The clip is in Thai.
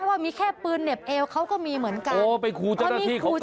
ว่ามีแค่ปืนเหน็บเอวเขาก็มีเหมือนกันโอ้ไปครูเจ้าหน้าที่เขา